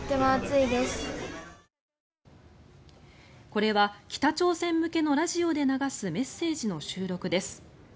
これは、北朝鮮向けのラジオで流すメッセージの収録です。